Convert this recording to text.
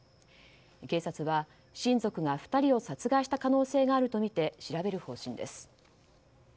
警察は親族が２人を殺害した可能性があるとみて調べる方針です。